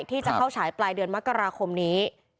ที่จะเข้าฉายปลายเดือนมกราคมนี้